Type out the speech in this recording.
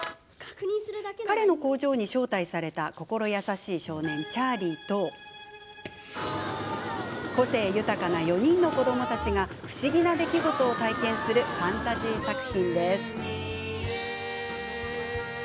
彼の工場に招待された心優しい少年チャーリーと個性豊かな４人の子どもたちが不思議な出来事を体験するファンタジー作品です。